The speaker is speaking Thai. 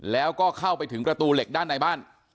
แล้วก็เข้าไปถึงประตูเหล็กด้านในบ้าน